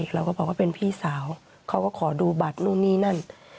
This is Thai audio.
เราก็บอกว่าเป็นพี่สาวเขาก็ขอดูบัตรนู่นนี่นั่น